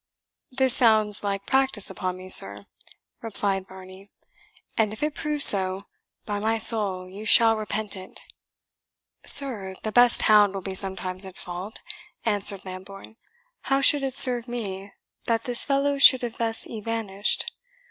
"This sounds like practice upon me, sir," replied Varney; "and if it proves so, by my soul you shall repent it!" "Sir, the best hound will be sometimes at fault," answered Lambourne; "how should it serve me that this fellow should have thus evanished?